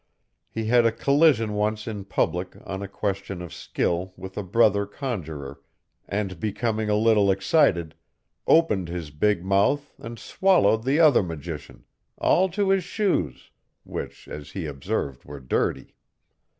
He had a collision once in public on a question of skill with a brother conjuror, and becoming a little excited, opened his big mouth and swallowed the other magician, all to his shoes, which as he observed were dirty.